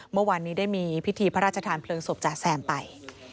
เมื่อวานนี้ได้มีพิธีพระราชทานเพลิงศพจ๋าแซมไป